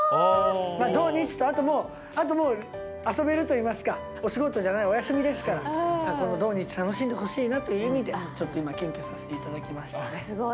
土日と、あともう遊べるといいますか、お仕事じゃない、お休みですから、この土日を楽しんでほしいなという意味で、ちょっと今、きゅんきすごい。